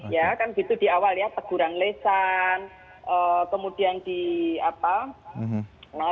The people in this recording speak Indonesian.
ya kan gitu di awal ya teguran lesan kemudian di apa